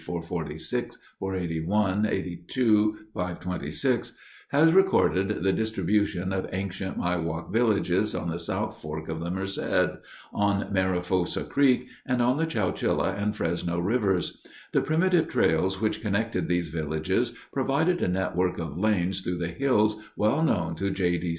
446, 481 482, 526) has recorded the distribution of ancient Miwok villages on the South Fork of the Merced, on Mariposa Creek, and on the Chowchilla and Fresno rivers. The primitive trails which connected these villages provided a network of lanes through the hills well known to J. D.